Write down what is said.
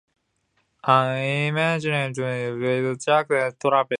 An emergency physician is a "Jack of all trades".